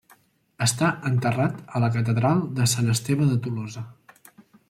Està enterrat a la Catedral de Sant Esteve de Tolosa.